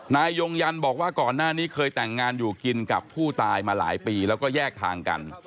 นายยงยันบอกว่าก่อนหน้านี้เคยแต่งงานอยู่กินกับผู้ตายมาหลายปีแล้วก็แยกทางกัน